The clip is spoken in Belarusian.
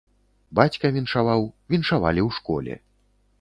Бацька віншаваў, віншавалі ў школе.